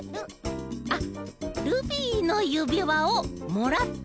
あっ「ルビーのゆびわをもらった！」。